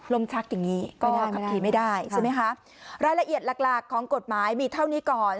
ลมชักอย่างนี้ก็ขับขี่ไม่ได้รายละเอียดหลากของกฎหมายมีเท่านี้ก่อน